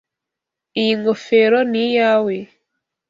Iyi ngofero ni iyawe.